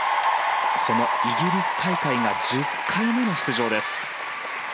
このイギリス大会が１０回目の出場です。